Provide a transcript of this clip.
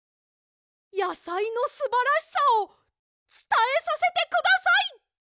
やさいのすばらしさをつたえさせてください！